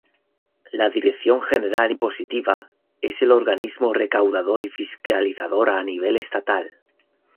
La Dirección General Impositiva es el organismo recaudador y fiscalizador a nivel estatal.